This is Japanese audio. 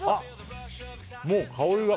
もう、香りが。